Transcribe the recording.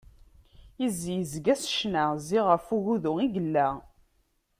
Izi izga s ccna, ziɣ ɣef ugudu i yella.